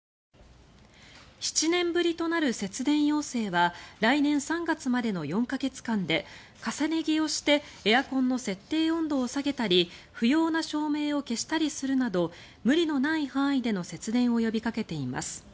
７年ぶりとなる節電要請は来年３月までの４か月間で重ね着をしてエアコンの設定温度を下げたり不要な照明を消したりするなど無理のない範囲での節電を呼びかけています。